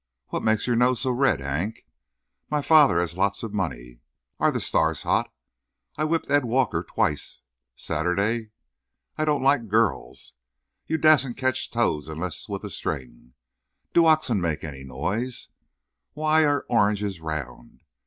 What makes your nose so red, Hank? My father has lots of money. Are the stars hot? I whipped Ed Walker twice, Saturday. I don't like girls. You dassent catch toads unless with a string. Do oxen make any noise? Why are oranges round?